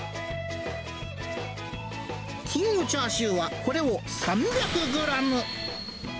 キングチャーシューは、これを３００グラム。